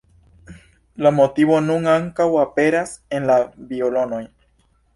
La motivo nun ankaŭ aperas en la violonoj.